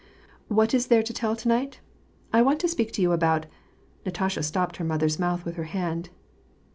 " What is there to tell to night ? I want to speak to yoa about "— Natasha stopped her mother's mouth with her hand.